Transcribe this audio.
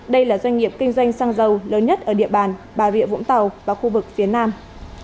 đây là doanh nghiệp kinh doanh xăng dầu lớn nhất ở địa bàn bà rịa vũng tàu và khu vực phía nam